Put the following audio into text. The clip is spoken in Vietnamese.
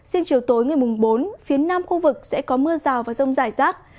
riêng chiều tối ngày mùng bốn phía nam khu vực sẽ có mưa rào và rông rải rác